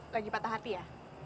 lagi patah hati ya